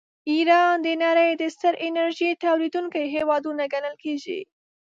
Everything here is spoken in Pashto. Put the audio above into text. ایران د نړۍ د ستر انرژۍ تولیدونکي هېوادونه ګڼل کیږي.